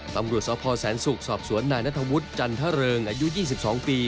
ตำรวจสพแสนศุกร์สอบสวนนายนัทวุฒิจันทะเริงอายุ๒๒ปี